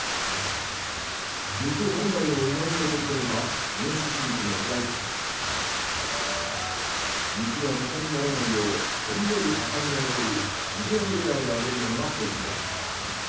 肉本来のうまみを閉じ込めた肉が硬くならないようほんのり赤身が残るミディアムレアで揚げるのがポイント。